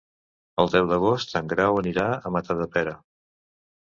El deu d'agost en Grau anirà a Matadepera.